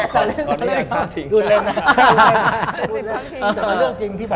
ก่อนเรื่องครับ